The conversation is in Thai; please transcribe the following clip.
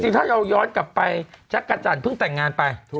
ถ้าเราย้อนกลับไปจักรจันทร์เพิ่งแต่งงานไป